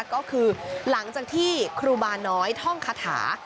ก็คือหลังจากที่ครูบาน้อยท่องคาถา